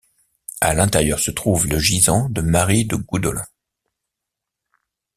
À l'intérieur se trouve le gisant de Marie de Goudelin.